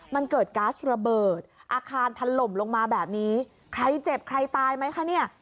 มันเกิดก๊าซระเบิดอาคารถล่มลงมาแบบนี้ใครเจ็บใครตายไหมคะเนี่ย